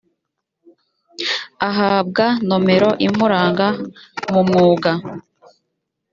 ahabwa nomero imuranga mu mwuga